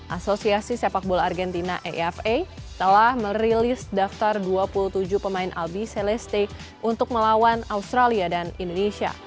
asosiasi sepak bola argentina afa telah merilis daftar dua puluh tujuh pemain albi celeste untuk melawan australia dan indonesia